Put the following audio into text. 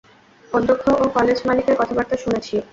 অধ্যক্ষ ও কলেজ মালিকের কথাবার্তা শুনেছি।